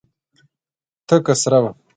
تکه سره وه.